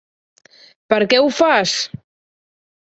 Per què ho fas?